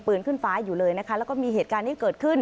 ขึ้นฟ้าอยู่เลยนะคะแล้วก็มีเหตุการณ์ที่เกิดขึ้น